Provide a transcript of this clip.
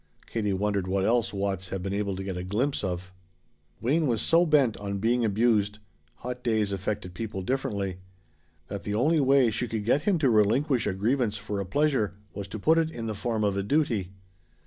Katie wondered what else Watts had been able to get a glimpse of. Wayne was so bent on being abused (hot days affected people differently) that the only way she could get him to relinquish a grievance for a pleasure was to put it in the form of a duty.